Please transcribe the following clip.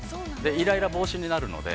イライラ防止になるので。